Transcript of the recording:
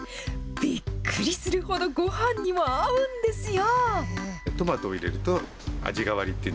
びっくりするほど、ごはんにも合うんですよ。